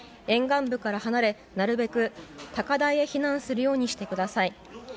沿岸部から離れ、なるべく高台に避難するようにしてください。